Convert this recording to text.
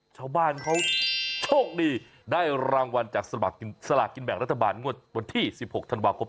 ชาวบ้านเขาโชคดีได้รางวัลจากสลากกินแบ่งรัฐบาลงวดวันที่๑๖ธันวาคม